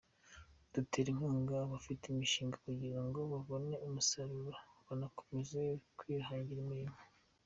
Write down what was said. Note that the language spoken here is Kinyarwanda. Dutera inkunga abafite imishinga kugira ngo babone umusaruro, banakomeze kwihangira imirimo.